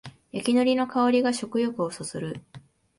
焼きのりの香りが食欲をそそる